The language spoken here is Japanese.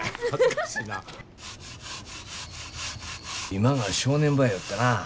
今が正念場やよってな。